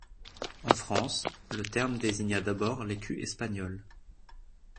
En France, le terme désigna d'abord l'écu espagnol.